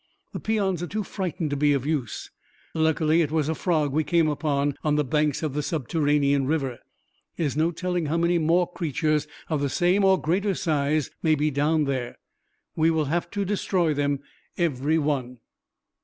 "The peons are too frightened to be of use. Luckily, it was a frog we came upon on the banks of the subterranean river. There is no telling how many more creatures of the same or greater size may be down there. We will have to destroy them, every one."